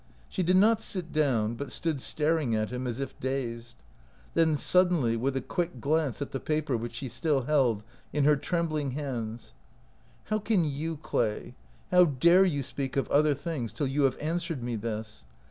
She did not sit down, but stood staring at him as if dazed ; then suddenly, with a quick glance at the paper which she still held in her trembling hands :" How can you, Clay, how dare you speak of other things till you have answered me this!